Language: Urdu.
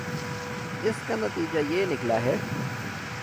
اس کا نتیجہ یہ نکلا ہے